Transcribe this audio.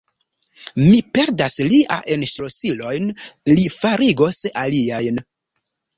Mi perdas liajn ŝlosilojn: li farigos aliajn.